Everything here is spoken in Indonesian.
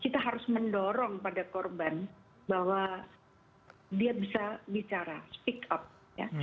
kita harus mendorong pada korban bahwa dia bisa bicara speak up ya